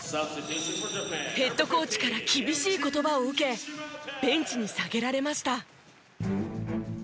ヘッドコーチから厳しい言葉を受けベンチに下げられました。